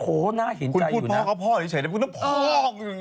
โอ้โฮน่าเห็นใจอยู่นัก